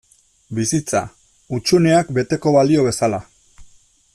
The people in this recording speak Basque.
Bizitza, hutsuneak beteko balio bezala.